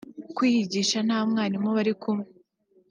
kwiyigisha nta mwarimu bari kumwe